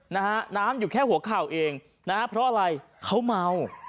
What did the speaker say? นะฮะน้ำอยู่แค่หัวเข่าเองนะฮะเพราะอะไรเขาเมา